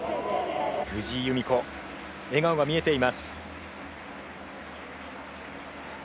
藤井由美子、笑顔が見えています。